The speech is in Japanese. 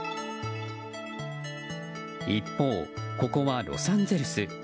一方、ここはロサンゼルス。